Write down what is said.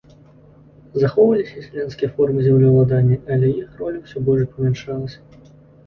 Захоўваліся і сялянскія формы землеўладання, але іх роля ўсё больш памяншалася.